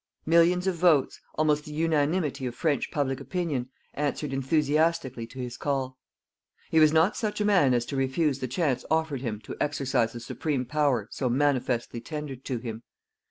Millions of votes almost the unanimity of French public opinion answered enthusiastically to his call. He was not such a man as to refuse the chance offered him to exercise a supreme power so manifestly tendered to him.